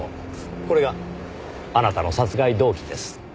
これがあなたの殺害動機です。